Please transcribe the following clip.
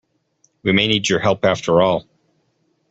We may need your help after all.